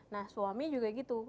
nah suami juga gitu